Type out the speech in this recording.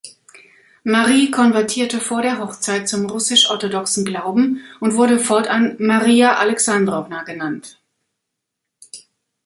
Marie konvertierte vor der Hochzeit zum russisch-orthodoxen Glauben und wurde fortan Marija Alexandrowna genannt.